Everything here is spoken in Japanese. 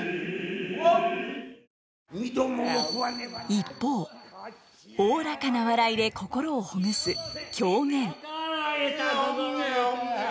一方おおらかな笑いで心をほぐす「狂言」。